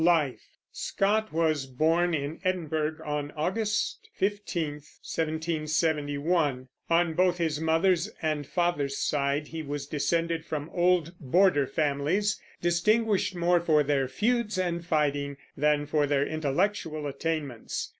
LIFE. Scott was born in Edinburgh, on August 15, 1771. On both his mother's and father's side he was descended from old Border families, distinguished more for their feuds and fighting than for their intellectual attainments.